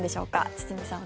堤さん